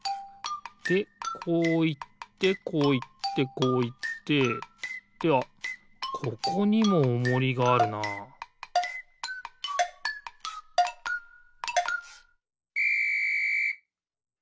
でこういってこういってこういってってあっここにもおもりがあるなピッ！